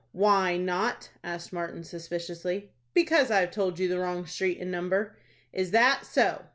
"Why not?" asked Martin suspiciously. "Because I've told you the wrong street and number." "Is that so?"